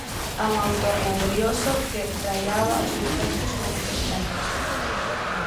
A un autor laborioso, que raiaba os seus textos con moitos trazos: